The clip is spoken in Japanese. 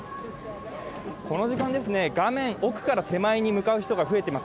この時間、画面奥から手前に向かう人が増えています。